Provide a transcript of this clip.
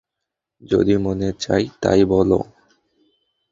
যদি মনে চায়, তা-ই বলো।